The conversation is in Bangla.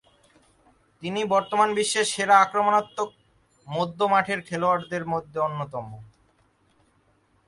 তিনি বর্তমানে বিশ্বের সেরা আক্রমণাত্মক মধ্যমাঠের খেলোয়াড়দের মধ্যে অন্যতম।